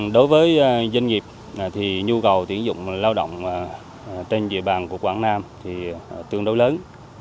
đối với doanh nghiệp thì nhu cầu tuyển dụng lao động trên địa bàn của quảng nam thì tương đối lớn